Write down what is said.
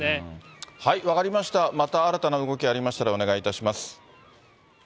また新たな動きありましたら、お願いいたします。